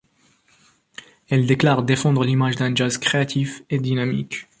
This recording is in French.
Elle déclare défendre l'image d'un jazz créatif et dynamique.